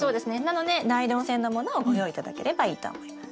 なのでナイロン製のものをご用意頂ければいいと思います。